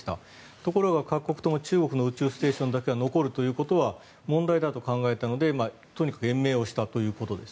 ところが各国とも中国の宇宙ステーションだけが残るというのは問題だと考えたので、とにかく延命をしたということです。